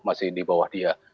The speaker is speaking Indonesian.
masih di bawah dia